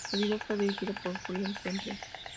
El video fue dirigido por Julien Temple.